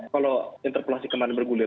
kalau interpelasi kemarin bergulir